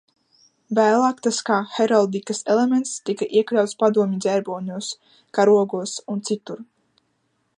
Vēlāk tas kā heraldikas elements tika iekļauts padomju ģerboņos, karogos un citur.